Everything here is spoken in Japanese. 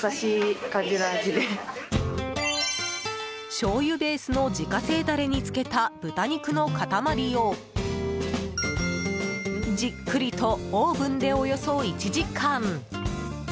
しょうゆベースの自家製ダレに漬けた豚肉の塊をじっくりとオーブンでおよそ１時間。